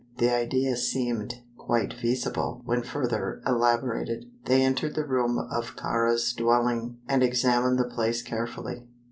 The idea seemed quite feasible when further elaborated. They entered the room of Kāra's dwelling and examined the place carefully.